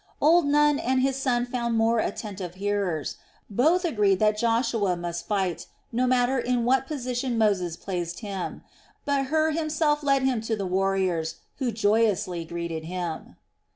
Old Nun and his son found more attentive hearers. Both agreed that Joshua must fight, no matter in what position Moses placed him; but Hur himself led him to the warriors, who joyously greeted him.